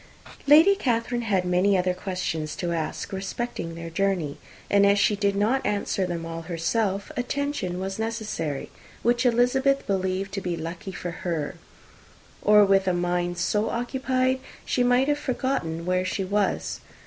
Lady Catherine had many other questions to ask respecting their journey; and as she did not answer them all herself attention was necessary which Elizabeth believed to be lucky for her; or, with a mind so occupied, she might have forgotten where she was.